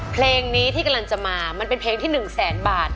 เพลงนี้ที่กำลังจะมามันเป็นเพลงที่๑แสนบาท